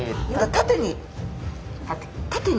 縦に。